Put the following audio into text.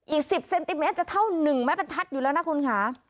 อีก๑๐เซนติเมตรจะเท่า๑ไม้บรรทัดอยู่แล้วนะคุณค่ะ